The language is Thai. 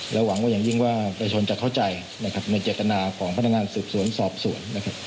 และหวังว่าอย่างยิ่งว่าผู้คนจะเข้าใจในเจตนาของพนักงานสืบสวนสอบสวน